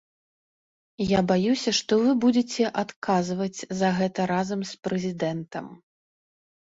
Я баюся, што вы будзеце адказваць за гэта разам з прэзідэнтам.